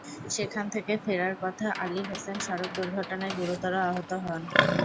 সেখান থেকে ফেরার পথে আলী হোসেন সড়ক দুর্ঘটনায় গুরুতর আহত হন।